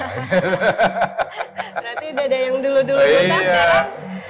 berarti udah ada yang dulu dulu ngutang kan